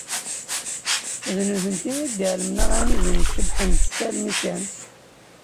D nutenti i d-iɛellmen aɣanib-inek cebbḥent-tt almi kan.